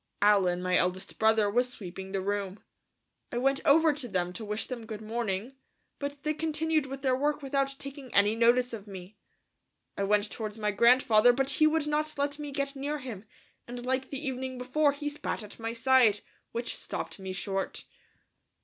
Allen, my eldest brother, was sweeping the room. I went over to them to wish them good morning, but they continued with their work without taking any notice of me. I went towards my grandfather, but he would not let me get near him, and like the evening before, he spat at my side, which stopped me short.